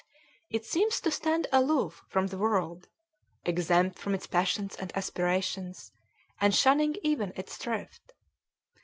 It seems to stand aloof from the world, exempt from its passions and aspirations, and shunning even its thrift.